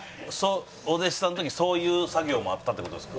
お弟子さんの時そういう作業もあったって事ですか？